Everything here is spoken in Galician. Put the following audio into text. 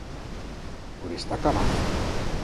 Por esta cabaza?